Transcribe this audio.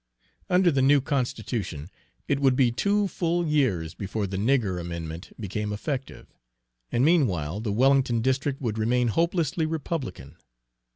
Under the new Constitution it would be two full years before the "nigger amendment" became effective, and meanwhile the Wellington district would remain hopelessly Republican.